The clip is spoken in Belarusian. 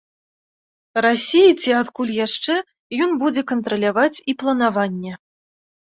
Расіі ці адкуль яшчэ, ён будзе кантраляваць і планаванне.